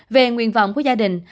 về nguyện vọng của gia đình